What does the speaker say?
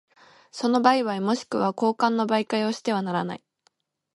その売買若しくは交換の媒介をしてはならない。